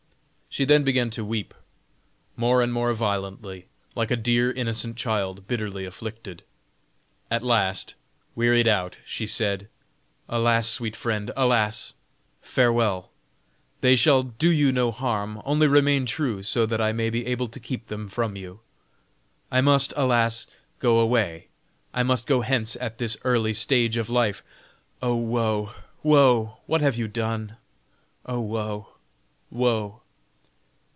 She then began to weep more and more violently, like a dear innocent child bitterly afflicted. At last, wearied out she said: "Alas, sweet friend, alas! farewell! They shall do you no harm; only remain true, so that I may be able to keep them from you. I must, alas! go away; I must go hence at this early stage of life. Oh woe, woe! what have you done! Oh woe, woe!"